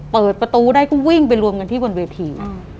เปิดประตูได้ก็วิ่งไปรวมกันที่บนเวที